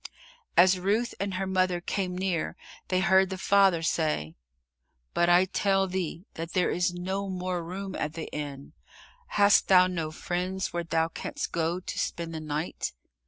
As Ruth and her mother came near, they heard the father say, "But I tell thee that there is no more room in the inn. Hast thou no friends where thou canst go to spend the night?"